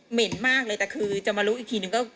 เหม็นมากเลยแต่คือจะมารู้อีกทีนึงก็คือ